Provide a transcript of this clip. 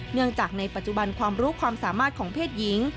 เนื่องจากในปัจจุบันความรู้ความสามารถของเพศหญิง